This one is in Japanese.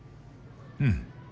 うん。